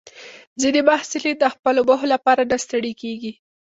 ځینې محصلین د خپلو موخو لپاره نه ستړي کېږي.